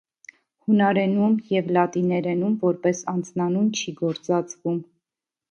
Հունարենում և լատիներենում որպես անձնանուն չի գործածվում։